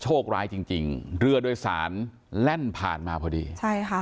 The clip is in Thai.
โชคร้ายจริงจริงเรือโดยสารแล่นผ่านมาพอดีใช่ค่ะ